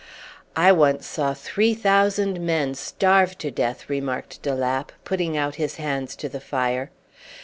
"I once saw three thousand men starve to death," remarked de Lapp, putting out his hands to the fire.